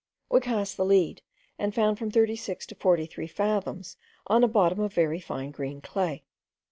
We cast the lead, and found from thirty six to forty three fathoms on a bottom of very fine green clay.